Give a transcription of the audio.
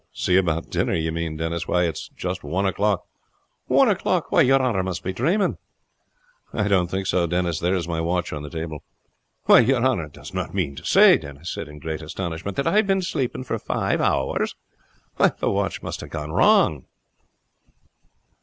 "See about dinner, you mean, Denis. Why, it's just one o'clock." "One o'clock! Your honor must be dreaming." "I don't think so, Denis. There is my watch on the table." "Why, your honor does not mean to say," Denis said in great astonishment, "that I have been sleeping for five hours? The watch must have gone wrong."